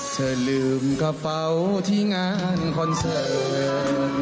เธอลืมกระเป๋าที่งานคอนเสิร์ต